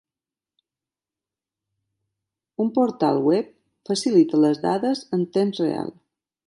Un portal web facilita les dades en temps real.